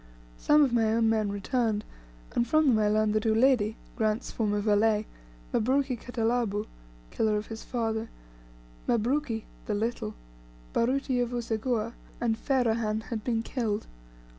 Some of my own men returned, and from them I learned that Uledi, Grant's former valet, Mabruki Khatalabu (Killer of his father), Mabruki (the Little), Baruti of Useguhha, and Ferahan had been killed.